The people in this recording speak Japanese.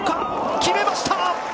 決めました。